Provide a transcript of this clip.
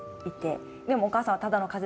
でもお母さんは。